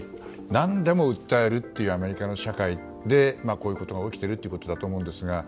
何でも訴えるというアメリカの社会でこういうことが起きているということだと思うんですが。